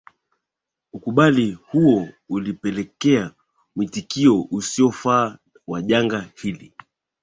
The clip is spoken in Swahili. ukubali huo ulipelekea mwitikio usiyofaa wa janga hili